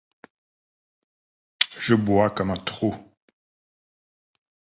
Je bois comme un trou.